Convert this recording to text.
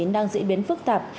đang diễn biến phức tạp